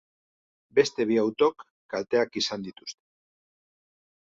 Beste bi autok kalteak izan dituzte.